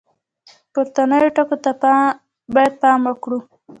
پورتنیو ټکو ته باید پام وکړو.